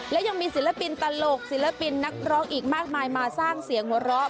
และยังมีศิลปินตลกศิลปินนักร้องอีกมากมายมาสร้างเสียงหัวเราะ